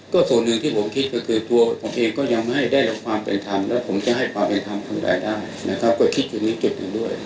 ส่วนหนึ่งที่ผมคิดก็คือตัวผมเองก็ยังไม่ได้รับความเป็นธรรมและผมจะให้ความเป็นธรรมคนใดได้นะครับก็คิดอยู่นี้จุดหนึ่งด้วย